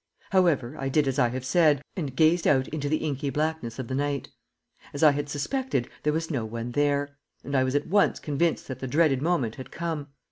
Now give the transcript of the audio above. However, I did as I have said, and gazed out into the inky blackness of the night. As I had suspected, there was no one there, and I was at once convinced that the dreaded moment had come.